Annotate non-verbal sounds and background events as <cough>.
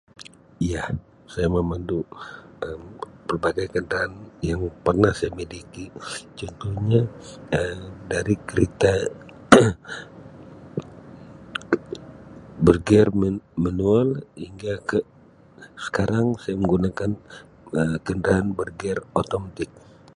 <noise> Ya, saya memandu Um pelbagai kenderaan yang pernah saya miliki <noise> contohnya <noise> Um dari kereta <coughs> <noise> bergear man-manual hingga ke sekarang saya menggunakan kenderaan bergear automatik.